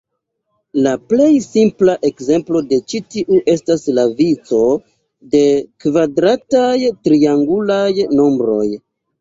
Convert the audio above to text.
La plej simpla ekzemplo de ĉi tiu estas la vico de kvadrataj triangulaj nombroj.